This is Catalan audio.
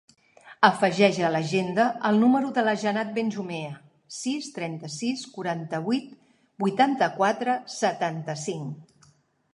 Afegeix a l'agenda el número de la Jannat Benjumea: sis, trenta-sis, quaranta-vuit, vuitanta-quatre, setanta-cinc.